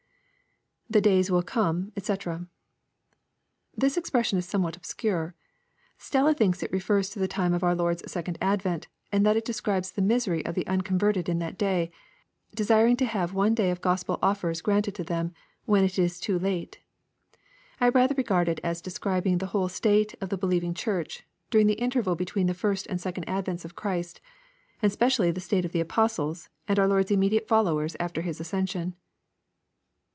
[The days vdU come, dkcJ] This expression is somewhat obscure. Stella thinks it refers to the time of our Lord's second advent^ and that it describes the misery of the unconverted in that day, de siring to have one day of Gospel offers granted to them, when it is too late. — ^I rather regard it as describing the whole state of the believing church, during the interval between the first and second advents of Christ, and specially the state of the apostles, and our Lord's immediate followers after His ascension.